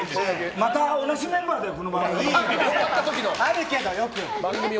また同じメンバーでこの番組を。